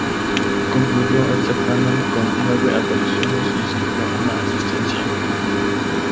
Concluyó el certamen con nueve apariciones y sirvió una asistencia.